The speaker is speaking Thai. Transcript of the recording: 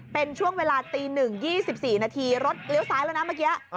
เป็นช่วงเวลาตี๑๒๔นาทีรถเลี้ยวซ้ายแล้วนะเมื่อกี้